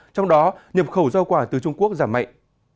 trong đó nhập khẩu giao quả từ trung quốc giảm mạnh